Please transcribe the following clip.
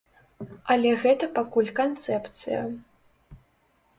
Але гэта пакуль канцэпцыя.